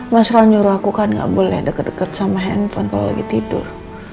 masalah nyuruh aku kan gak boleh deket deket sama handphone kalau lagi tidur